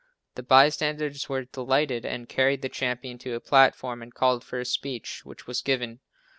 The bystanders were delighted and carried the champion to a platform and called for a speech, which was given.